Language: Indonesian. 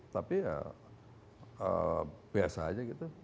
tapi biasa aja gitu